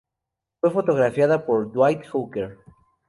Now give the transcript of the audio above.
Fue fotografiada por Dwight Hooker.